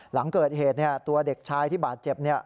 หลังเกิดเหตุตัวเด็กชายที่บาดเจ็บ